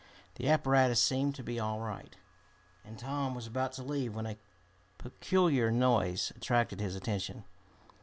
The apparatus seemed to be all right, and Tom was about to leave when a peculiar noise attracted his attention.